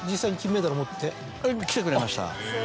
来てくれました。